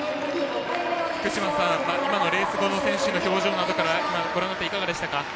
福島さん、今のレース後の選手の表情などからご覧になっていかがでしたか。